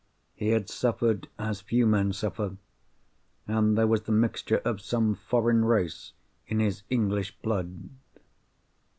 He had suffered as few men suffer; and there was the mixture of some foreign race in his English blood.